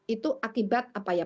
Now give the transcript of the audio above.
itu akibat apa ya